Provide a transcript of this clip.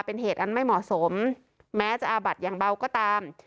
เป็นเหตุอันไม่เหมาะสมแม้จะอาบัดอย่างเบาก็ตาม